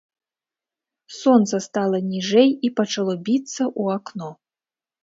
Сонца стала ніжэй і пачало біцца ў акно.